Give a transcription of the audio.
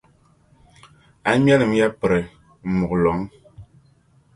A ŋmɛlimya piri m-muɣi lɔŋ.